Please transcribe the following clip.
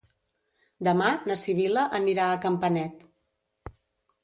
Demà na Sibil·la anirà a Campanet.